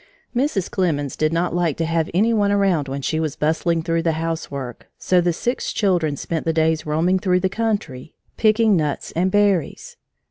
Mrs. Clemens did not like to have any one around when she was bustling through the housework, so the six children spent the days roaming through the country, picking nuts and berries.